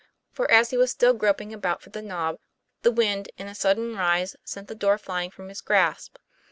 For as he was still groping about for the knob, the wind in a sud den rise sent the door flying from his grasp.